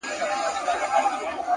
پوه انسان د اورېدو ارزښت هېر نه کوي،